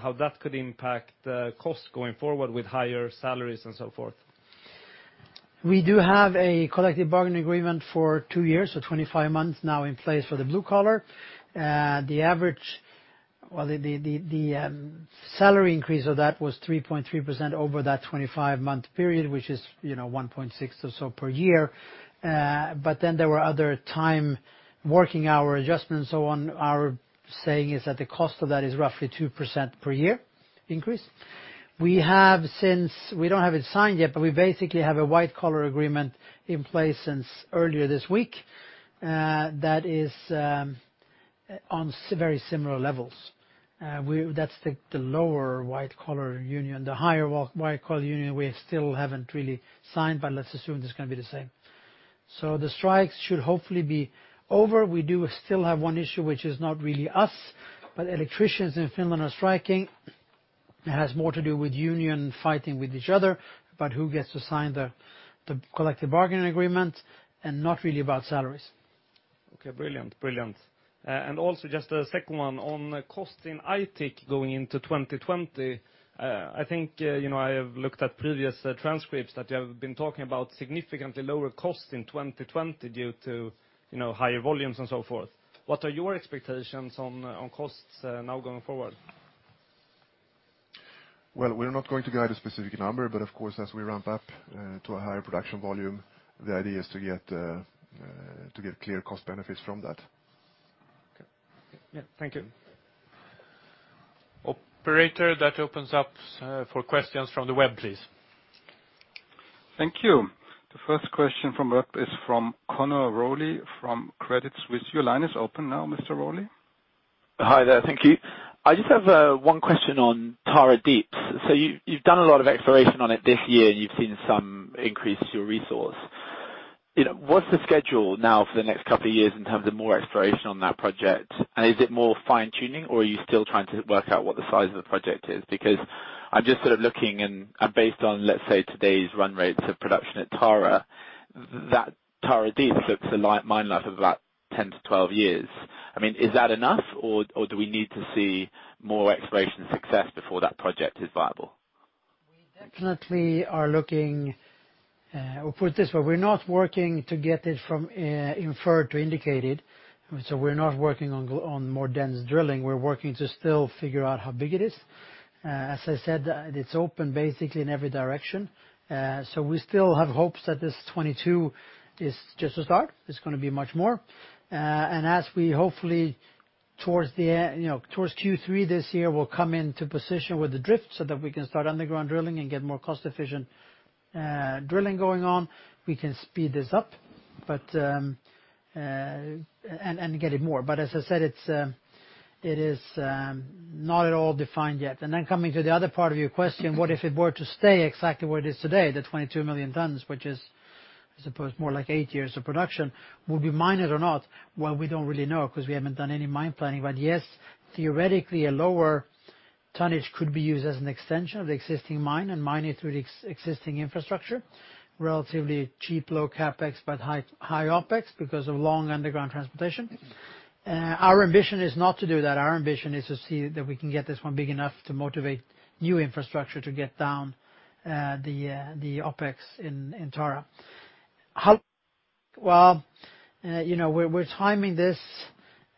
S8: how that could impact cost going forward with higher salaries and so forth?
S2: We do have a collective bargaining agreement for two years, so 25 months now in place for the blue collar. The salary increase of that was 3.3% over that 25-month period, which is one point six or so per year. But then there were other time working hour adjustments. What our saying is that the cost of that is roughly 2% per year increase. We don't have it signed yet, but we basically have a white collar agreement in place since earlier this week. That is on very similar levels. That's the lower white collar union. The higher white collar union, we still haven't really signed, but let's assume it's going to be the same. The strikes should hopefully be over. We do still have one issue, which is not really us, but electricians in Finland are striking. It has more to do with union fighting with each other about who gets to sign the collective bargaining agreement and not really about salaries.
S8: Okay, brilliant. Also just a second one on cost in Aitik going into 2020. I have looked at previous transcripts that you have been talking about significantly lower costs in 2020 due to higher volumes and so forth. What are your expectations on costs now going forward?
S2: We're not going to guide a specific number, but of course, as we ramp up to a higher production volume, the idea is to get clear cost benefits from that. Okay. Yeah. Thank you.
S1: Operator, that opens up for questions from the web, please.
S9: Thank you. The first question from web is from Conor Rowley from Credit Suisse. Your line is open now, Mr. Rowley.
S10: Hi there. Thank you. I just have one question on Tara Deep. You've done a lot of exploration on it this year, and you've seen some increase to your resource. What's the schedule now for the next couple of years in terms of more exploration on that project? Is it more fine-tuning, or are you still trying to work out what the size of the project is? I'm just sort of looking and based on, let's say, today's run rates of production at Tara, that Tara Deep looks a mine life of about 10 to 12 years. I mean, is that enough or do we need to see more exploration success before that project is viable?
S2: We definitely, I will put it this way, we're not working to get it from inferred to indicated, so we're not working on more dense drilling. We're working to still figure out how big it is. As I said, it's open basically in every direction. We still have hopes that this 22 is just a start. It's going to be much more. As we hopefully towards Q3 this year, we'll come into position with the drift so that we can start underground drilling and get more cost-efficient drilling going on. We can speed this up and get it more. But as I said, it is not at all defined yet. Coming to the other part of your question, what if it were to stay exactly where it is today, the 22 million tonnes, which is, I suppose more like eight years of production, will be mined or not? We don't really know because we haven't done any mine planning. Yes, theoretically, a lower tonnage could be used as an extension of the existing mine and mined through the existing infrastructure. Relatively cheap, low CapEx, but high OpEx because of long underground transportation. Our ambition is not to do that. Our ambition is to see that we can get this one big enough to motivate new infrastructure to get down the OpEx in Tara. We're timing this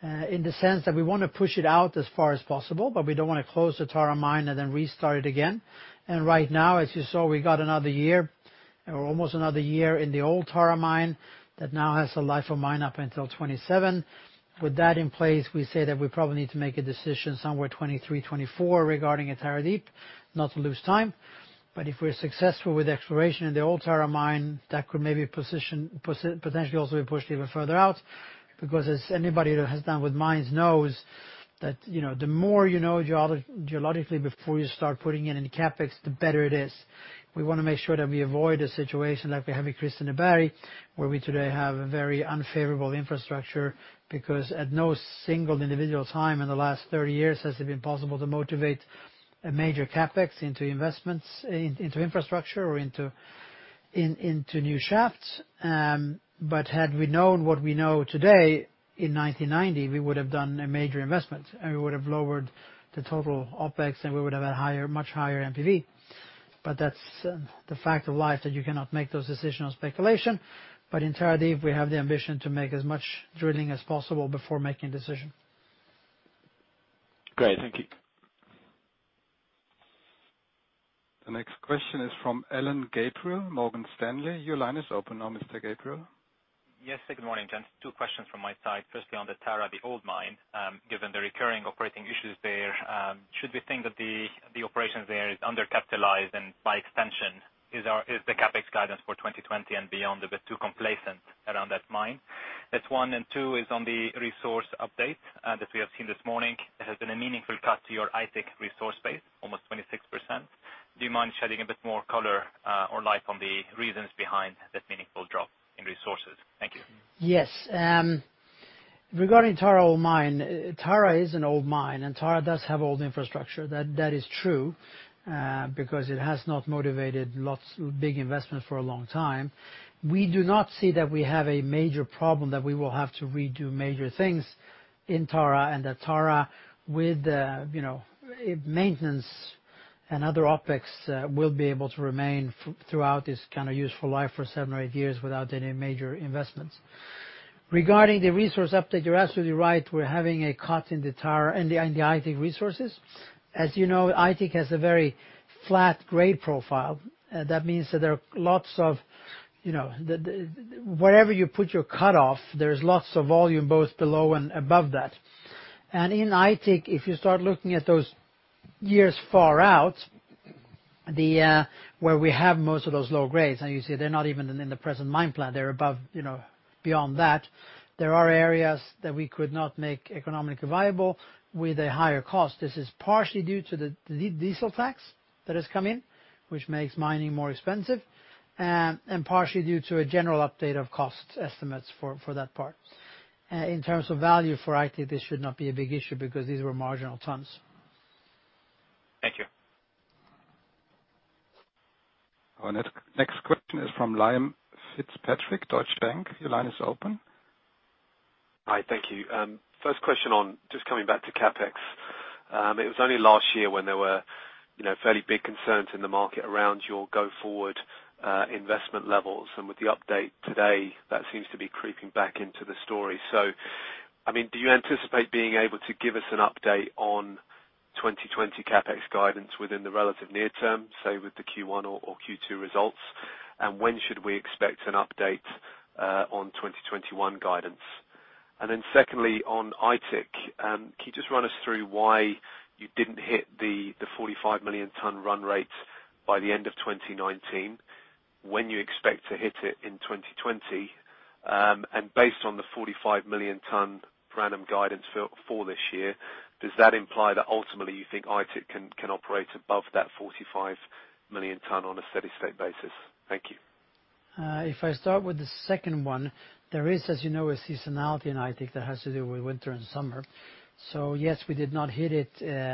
S2: in the sense that we want to push it out as far as possible, but we don't want to close the Tara mine and then restart it again. Right now, as you saw, we got another year, or almost another year in the old Tara Mine that now has a life of mine up until 2027. With that in place, we say that we probably need to make a decision somewhere 2023, 2024 regarding a Tara Deep, not to lose time. If we're successful with exploration in the old Tara Mine, that could maybe potentially also be pushed even further out, because as anybody that has done with mines knows that the more you know geologically before you start putting in the CapEx, the better it is. We want to make sure that we avoid a situation like we have in Kristineberg, where we today have a very unfavorable infrastructure, because at no single individual time in the last 30 years has it been possible to motivate a major CapEx into investments, into infrastructure or into new shafts. But had we known what we know today, in 1990, we would have done a major investment and we would have lowered the total OpEx, and we would have had much higher NPV. That's the fact of life that you cannot make those decisions on speculation. In Tara Deep, we have the ambition to make as much drilling as possible before making a decision.
S10: Great. Thank you.
S9: The next question is from Alain Gabriel, Morgan Stanley. Your line is open now, Mr. Gabriel.
S11: Yes. Good morning, gents. Two questions from my side. Firstly, on the Tara, the old mine, given the recurring operating issues there, should we think that the operations there is undercapitalized and by extension is the CapEx guidance for 2020 and beyond a bit too complacent around that mine? That's one. Two is on the resource update that we have seen this morning. It has been a meaningful cut to your Aitik resource base, almost 26%. Do you mind shedding a bit more color or light on the reasons behind that meaningful drop in resources? Thank you.
S2: Yes. Regarding Tara old mine, Tara is an old mine, and Tara does have old infrastructure. That is true because it has not motivated lots of big investment for a long time. We do not see that we have a major problem that we will have to redo major things in Tara, and that Tara with maintenance and other OpEx will be able to remain throughout this kind of useful life for 7 or 8 years without any major investments. Regarding the resource update, you're absolutely right. We're having a cut in the Tara and the Aitik resources. As you know, Aitik has a very flat grade profile. That means that wherever you put your cutoff, there's lots of volume both below and above that. In Aitik, if you start looking at those years far out, where we have most of those low grades, and you see they are not even in the present mine plan, they are above beyond that. There are areas that we could not make economically viable with a higher cost. This is partially due to the diesel tax that has come in, which makes mining more expensive, and partially due to a general update of cost estimates for that part. In terms of value for Aitik, this should not be a big issue because these were marginal tonnes.
S11: Thank you.
S9: Our next question is from Liam Fitzpatrick, Deutsche Bank. Your line is open.
S12: Hi, thank you. First question on just coming back to CapEx. It was only last year when there were fairly big concerns in the market around your go-forward investment levels. With the update today, that seems to be creeping back into the story. Do you anticipate being able to give us an update on 2020 CapEx guidance within the relative near term, say with the Q1 or Q2 results? And when should we expect an update on 2021 guidance? Secondly, on Aitik, can you just run us through why you didn't hit the 45-million ton run rate by the end of 2019, when you expect to hit it in 2020, and based on the 45-million ton random guidance for this year, does that imply that ultimately you think Aitik can operate above that 45 million ton on a steady state basis? Thank you.
S2: If I start with the second one, there is, as you know, a seasonality in Aitik that has to do with winter and summer. Yes, we did not hit it in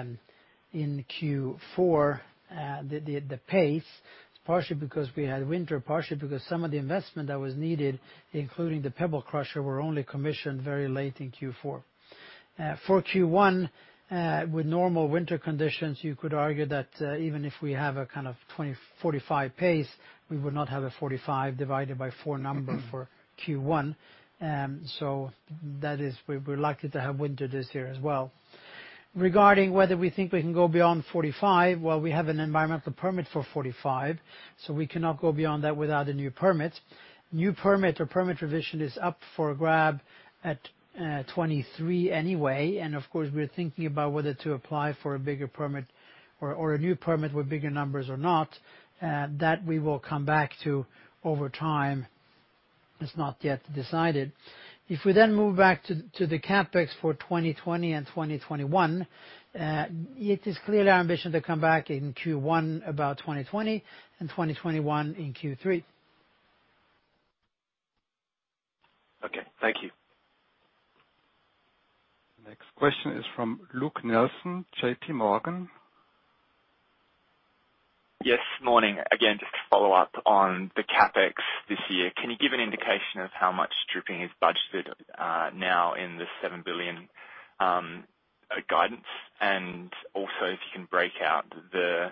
S2: Q4. The pace is partially because we had winter, partially because some of the investment that was needed, including the pebble crusher, were only commissioned very late in Q4. For Q1, with normal winter conditions, you could argue that even if we have a kind of 2045 pace, we would not have a 45 divided by four number for Q1. We're likely to have winter this year as well. Regarding whether we think we can go beyond 45, well, we have an environmental permit for 45, so we cannot go beyond that without a new permit. New permit or permit revision is up for grab at 2023 anyway. Of course, we're thinking about whether to apply for a bigger permit or a new permit with bigger numbers or not. That we will come back to over time. It's not yet decided. If we move back to the CapEx for 2020 and 2021, it is clearly our ambition to come back in Q1 about 2020, and 2021 in Q3.
S12: Okay. Thank you.
S9: Next question is from Luke Nelson, JPMorgan.
S13: Yes, morning. Just to follow up on the CapEx this year. Can you give an indication of how much stripping is budgeted now in the 7 billion guidance? If you can break out the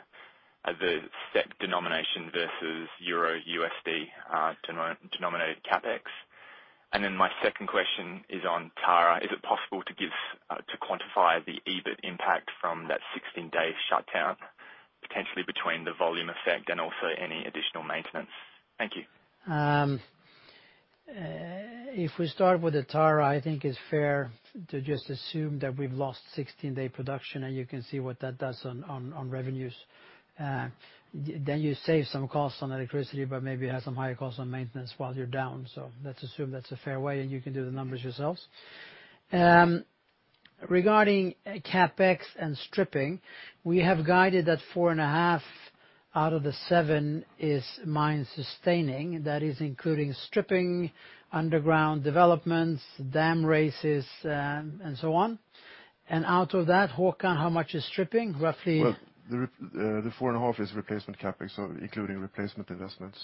S13: SEK denomination versus EUR/USD denominated CapEx. My second question is on Tara. Is it possible to quantify the EBIT impact from that 16-day shutdown, potentially between the volume effect and also any additional maintenance? Thank you.
S2: If we start with the Tara, I think it's fair to just assume that we've lost 16 day production. You can see what that does on revenues. You save some costs on electricity, but maybe you have some higher costs on maintenance while you're down. Let's assume that's a fair way. You can do the numbers yourselves. Regarding CapEx and stripping, we have guided that four and a half out of the seven is mine sustaining. That is including stripping, underground developments, dam raises, and so on. Out of that, Håkan, how much is stripping, roughly?
S3: Well, the four and a half is replacement CapEx, so including replacement investments.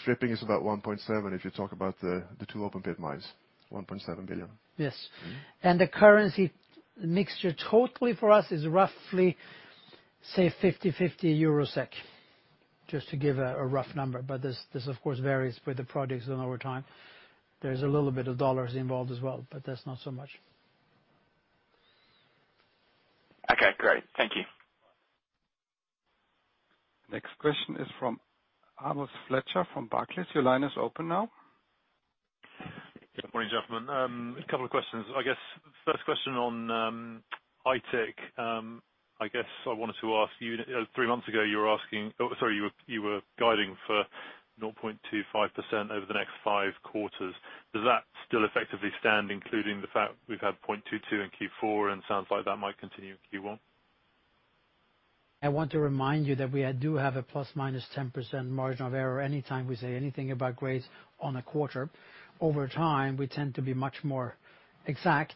S3: Stripping is about 1.7 if you talk about the two open pit mines, 1.7 billion.
S2: Yes. The currency mixture totally for us is roughly, say, 50/50 EUR/SEK, just to give a rough number. This of course varies with the projects done over time. There's a little bit of dollars involved as well, but that's not so much.
S13: Okay, great. Thank you.
S9: Next question is from Amos Fletcher from Barclays. Your line is open now.
S14: Good morning, gentlemen. A couple of questions. I guess first question on Aitik. I guess I wanted to ask you, three months ago, you were guiding for 0.25% over the next five quarters. Does that still effectively stand, including the fact we've had zero point two two in Q4, sounds like that might continue in Q1?
S2: I want to remind you that we do have a plus/minus 10% margin of error anytime we say anything about grades on a quarter. Over time, we tend to be much more exact,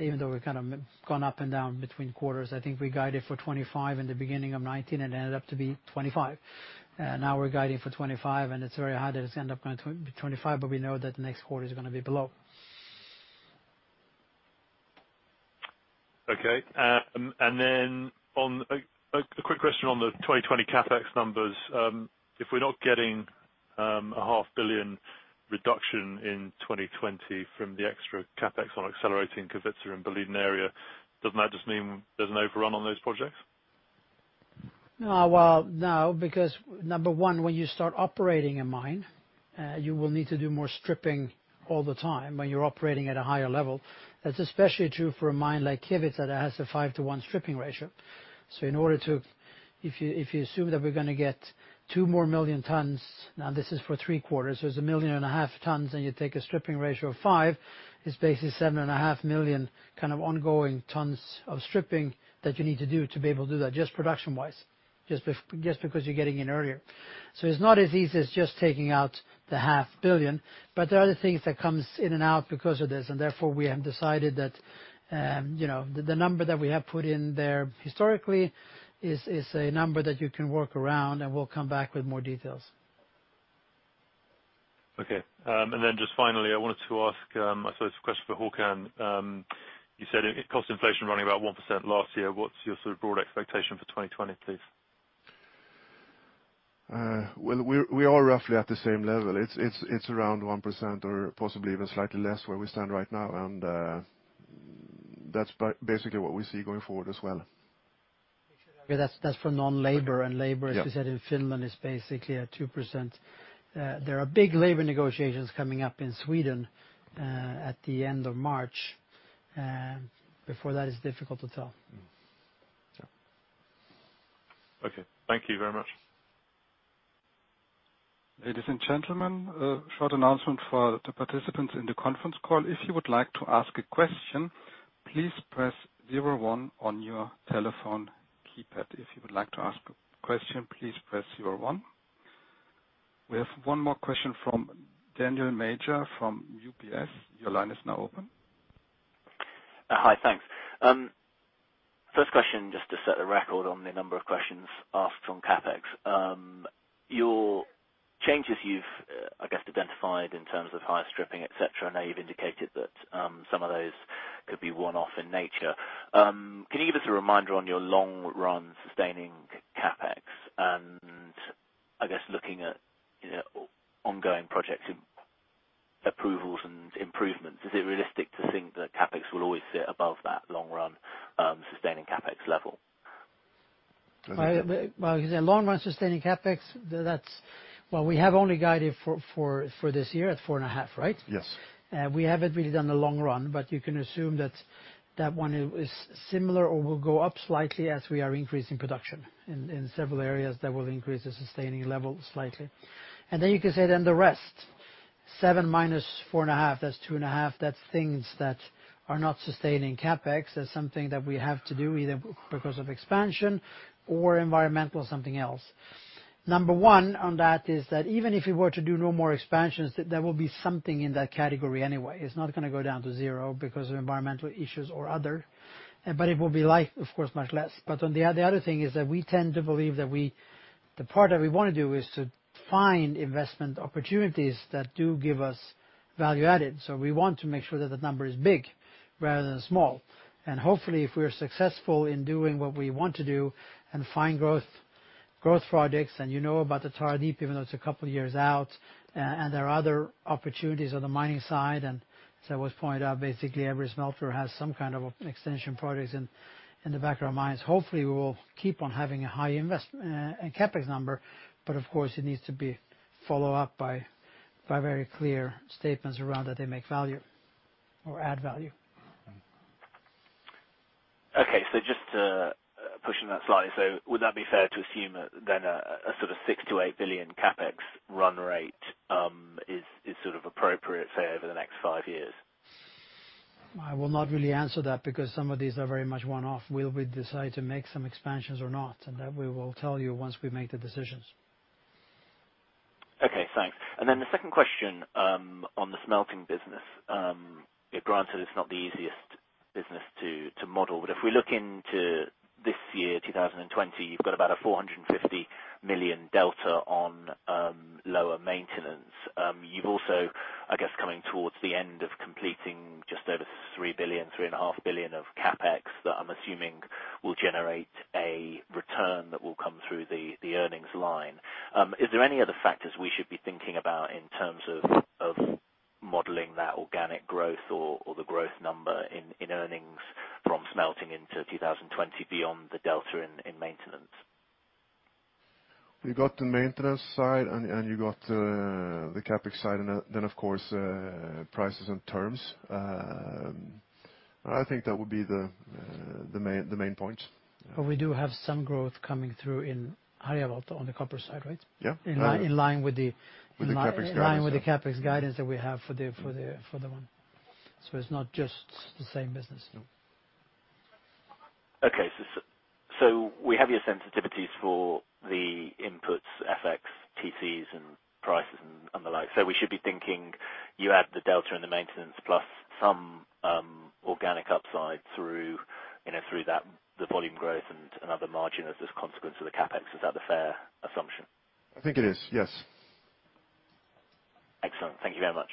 S2: even though we've kind of gone up and down between quarters. I think we guided for 25 in the beginning of 2019, and it ended up to be 25. Now we're guiding for 25, and it's very hard that it's end up going 25, but we know that the next quarter is going to be below.
S14: Okay. A quick question on the 2020 CapEx numbers. If we're not getting a half billion reduction in 2020 from the extra CapEx on accelerating Kevitsa and Boliden area, doesn't that just mean there's an overrun on those projects?
S2: No, because number one, when you start operating a mine, you will need to do more stripping all the time when you're operating at a higher level. That's especially true for a mine like Kevitsa that has a five to one stripping ratio. If you assume that we're going to get 2 million tons, now this is for three quarters, so it's 1.5 million tons, and you take a stripping ratio of five, it's basically 7.5 million ongoing tons of stripping that you need to do to be able to do that, just production-wise. Just because you're getting in earlier. It's not as easy as just taking out the half billion, but there are other things that comes in and out because of this, and therefore we have decided that the number that we have put in there historically is a number that you can work around, and we'll come back with more details.
S14: Okay. Just finally, I wanted to ask, I suppose the question for Håkan. You said cost inflation running about 1% last year. What's your sort of broad expectation for 2020, please?
S3: Well, we are roughly at the same level. It's around 1% or possibly even slightly less where we stand right now, and that's basically what we see going forward as well.
S2: That's for non-labor, and.
S3: Yeah
S2: As you said, in Finland is basically at 2%. There are big labor negotiations coming up in Sweden at the end of March. Before that, it's difficult to tell. So.
S14: Okay. Thank you very much.
S9: Ladies and gentlemen, a short announcement for the participants in the conference call. If you would like to ask a question, please press zero one on your telephone keypad. If you would like to ask a question, please press zero one. We have one more question from Daniel Major from UBS. Your line is now open.
S15: Hi, thanks. First question, just to set the record on the number of questions asked on CapEx. Your changes you've, I guess, identified in terms of higher stripping, et cetera, I know you've indicated that some of those could be one-off in nature. Can you give us a reminder on your long-run sustaining CapEx? I guess looking at ongoing project approvals and improvements, is it realistic to think that CapEx will always sit above that long run sustaining CapEx level?
S3: Okay.
S2: Well, long run sustaining CapEx, we have only guided for this year at four and a half, right?
S3: Yes.
S2: We haven't really done the long run, but you can assume that one is similar or will go up slightly as we are increasing production in several areas that will increase the sustaining level slightly. You can say then the rest, seven minus four and a half, that's two and a half. That's things that are not sustaining CapEx. That's something that we have to do either because of expansion or environmental something else. Number one on that is that even if we were to do no more expansions, there will be something in that category anyway. It's not going to go down to zero because of environmental issues or other, but it will be like, of course, much less. The other thing is that we tend to believe that the part that we want to do is to find investment opportunities that do give us value added. We want to make sure that the number is big rather than small. Hopefully, if we are successful in doing what we want to do and find growth projects, and you know about the Tara Deep, even though it's a couple of years out, and there are other opportunities on the mining side, and as I always point out, basically every smelter has some kind of extension projects in the back of our minds. Hopefully, we will keep on having a high investment and CapEx number, but of course, it needs to be followed up by very clear statements around that they make value or add value.
S15: Okay. Just to push on that slightly. Would that be fair to assume then a sort of 6 billion-8 billion CapEx run rate is sort of appropriate, say, over the next five years?
S2: I will not really answer that because some of these are very much one-off. Will we decide to make some expansions or not? That we will tell you once we make the decisions.
S15: Okay, thanks. The second question on the smelting business, granted it's not the easiest business to model, but if we look into this year, 2020, you've got about a 450 million delta on lower maintenance. You've also, I guess, coming towards the end of completing just over 3 billion, 3.5 billion of CapEx that I'm assuming will generate a return that will come through the earnings line. Is there any other factors we should be thinking about in terms of modeling that organic growth or the growth number in earnings from smelting into 2020 beyond the delta in maintenance?
S3: You got the maintenance side and you got the CapEx side, and then of course, prices and terms. I think that would be the main points.
S2: We do have some growth coming through in Harjavalta on the copper side, right?
S3: Yeah.
S2: In line with the-
S3: With the CapEx guidance.
S2: in line with the CapEx guidance that we have for the one. It's not just the same business.
S3: No.
S15: Okay. We have your sensitivities for the inputs, FX, TCs, and prices and the like. We should be thinking you add the delta and the maintenance plus some organic upside through the volume growth and other margin as this consequence of the CapEx. Is that a fair assumption?
S3: I think it is, yes.
S15: Excellent. Thank you very much.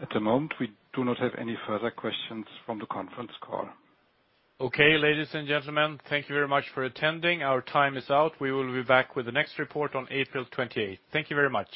S9: At the moment, we do not have any further questions from the conference call.
S1: Okay, ladies and gentlemen. Thank you very much for attending. Our time is out. We will be back with the next report on April 28th. Thank you very much.